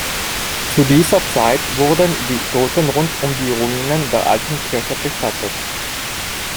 Zu dieser Zeit wurden die Toten rund um die Ruinen der alten Kirche bestattet.